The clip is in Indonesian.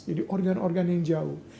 jadi organ organ yang jauh